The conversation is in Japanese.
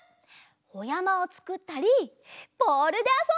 おやまをつくったりボールであそんだり！